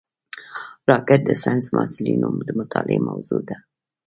راکټ د ساینسي محصلینو د مطالعې موضوع ده